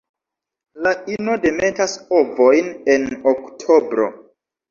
La ino demetas ovojn en oktobro.